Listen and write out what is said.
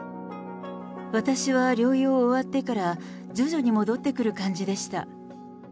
私は療養終わってから徐々に戻ってくる感じでした。